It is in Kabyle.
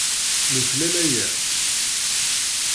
Nuklal aya.